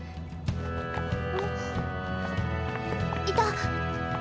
いた！